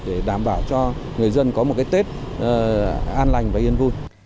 để đảm bảo cho người dân có một cái tết an lành và yên vui